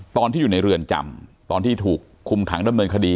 ตอนที่อยู่ในเรือนจำตอนที่ถูกคุมขังดำเนินคดี